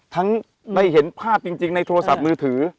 ได้เห็นภาพจริงในโทรศัพท์มือถือ